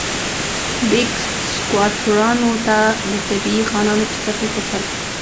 بیګ سکواټورانو ته د طبیعي خانانو په سترګه کتل.